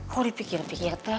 kok dipikir pikir teh